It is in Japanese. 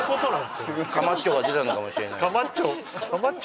かまっちょが出たのかもしれないかまっちょ？